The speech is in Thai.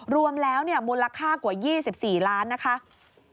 รวมแล้วมูลค่ากว่า๒๔ล้านนะคะ